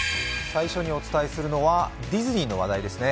最初にお伝えするのはディズニーの話題ですね。